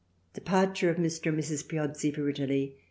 Departure of Mr. and Mrs. Piozzi for Italy.